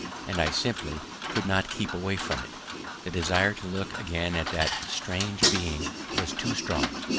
And I simply could not keep away from it; the desire to look again at that strange being was too strong.